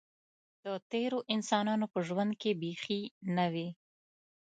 د تېرو انسانانو په ژوند کې بیخي نه وې.